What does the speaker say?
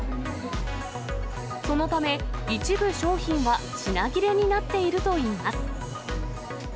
そのため、一部商品は品切れになっているといいます。